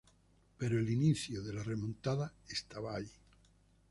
Pero el inicio de la remontada estaba ahí.